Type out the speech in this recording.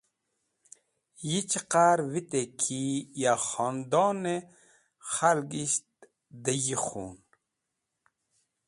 Yi chiqar vite ki ya khonadon-e khalgisht dẽ yi khun.